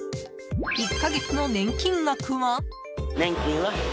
１か月の年金額は？